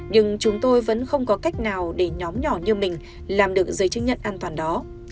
nhưng chúng tôi vẫn không có cách nào để nhóm nhỏ như mình làm được giấy chứng nhận an toàn đó